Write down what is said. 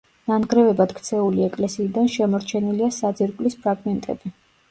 ნანგრევებად ქცეული ეკლესიიდან შემორჩენილია საძირკვლის ფრაგმენტები.